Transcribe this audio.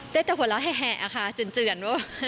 ได้แต่ผลแล้วแห่ค่ะเจือน